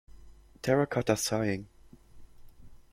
Terracotta Sighing.